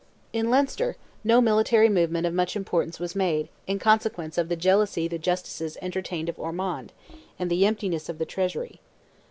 In Leinster, no military movement of much importance was made, in consequence of the jealousy the Justices entertained of Ormond, and the emptiness of the treasury.